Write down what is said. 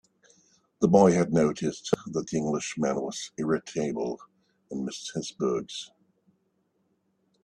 The boy had noticed that the Englishman was irritable, and missed his books.